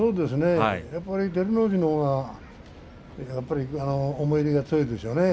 やっぱり照ノ富士のほうが思い入れが強いでしょうね。